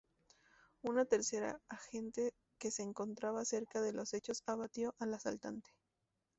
Una tercera agente que se encontraba cerca de los hechos abatió al asaltante.